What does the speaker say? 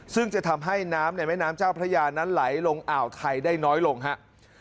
ซึ่งจะทำให้น้ำในแม่น้ำเจ้าพระยานั้นไหลลงอ่าวไทยได้น้อยลงครับ